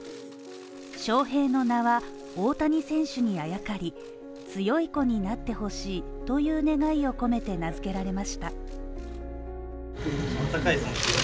翔平の名は大谷選手にあやかり、強い子になってほしいという願いを込めて名付けられました。